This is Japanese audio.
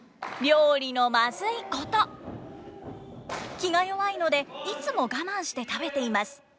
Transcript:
気が弱いのでいつも我慢して食べています。